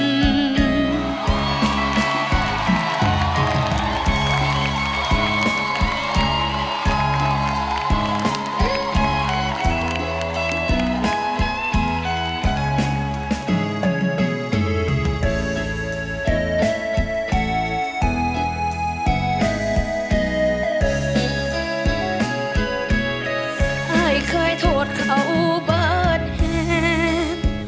ใครเคยโทษเขาบันแหง